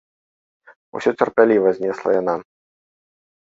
Усё цярпліва знесла яна.